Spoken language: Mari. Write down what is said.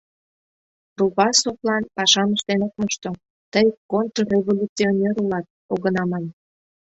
Руфасовлан «пашам ыштен ок мошто, тый контрреволюционер улат» огына ман.